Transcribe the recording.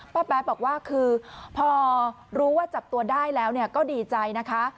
แป๊บอกว่าคือพอรู้ว่าจับตัวได้แล้วก็ดีใจนะคะ